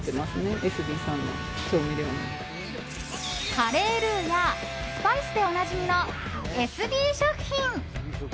カレールーやスパイスでおなじみのエスビー食品。